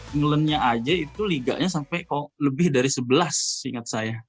englandnya aja itu liganya sampai lebih dari sebelas seingat saya